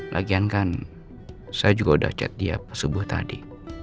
lagian kan saya juga udah chat dia subuh tadi